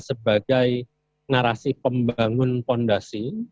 sebagai narasi pembangun fondasi